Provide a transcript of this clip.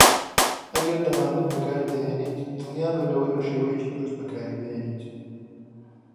ئەگەر دەمامک بەکاردەهێنیت، دڵنیابە لەوەی بەشێوەیەکی دروست بەکاریبهێنیت.